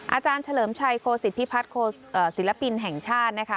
อาจารย์เฉลิมชัยโคศิษฐพิพัฒน์ศิลปินแห่งชาตินะคะ